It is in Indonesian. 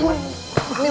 ini untuk goreng